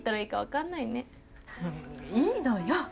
いいのよ。